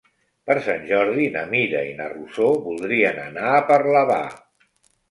Per Sant Jordi na Mira i na Rosó voldrien anar a Parlavà.